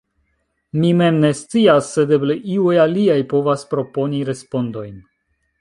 Mi mem ne scias, sed eble iuj aliaj povas proponi respondojn.